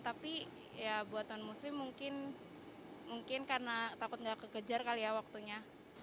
tapi ya buatan muslim mungkin karena takut tidak kekejar kali ya waktunya